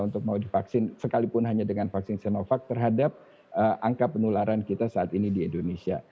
untuk mau divaksin sekalipun hanya dengan vaksin sinovac terhadap angka penularan kita saat ini di indonesia